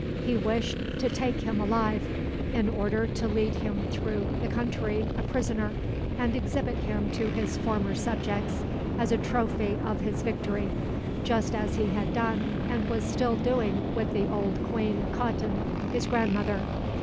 He wished to take him alive, in order to lead him through the country a prisoner, and exhibit him to his former subjects as a trophy of his victory, just as he had done and was still doing with the old queen Khatun, his grandmother.